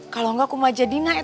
kalau enggak aku mau aja dinaet